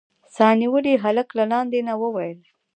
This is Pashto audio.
سا نيولي هلک له لاندې نه وويل.